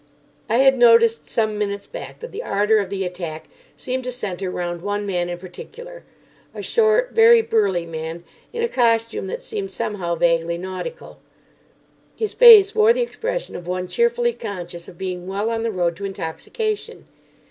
I had noticed some minutes back that the ardour of the attack seemed to centre round one man in particular—a short, very burly man in a costume that seemed somehow vaguely nautical. His face wore the expression of one cheerfully conscious of being well on the road to intoxication.